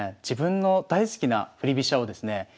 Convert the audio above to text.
自分の大好きな振り飛車をですね